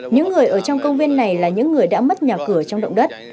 những người ở trong công viên này là những người đã mất nhà cửa trong động đất